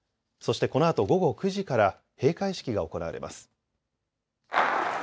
そして、このあと午後９時から閉会式が行われます。